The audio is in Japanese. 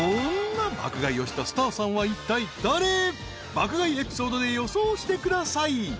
［爆買いエピソードで予想してください］